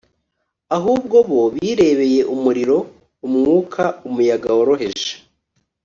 Ahubwo bo birebeye umuriro, umwuka, umuyaga woroheje,